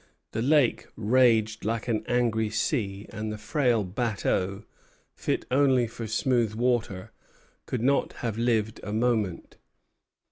The lake raged like an angry sea, and the frail bateaux, fit only for smooth water, could not have lived a moment.